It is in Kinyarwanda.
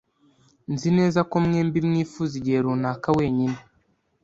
Nzi neza ko mwembi mwifuza igihe runaka wenyine.